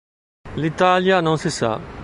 L'italia non si sa.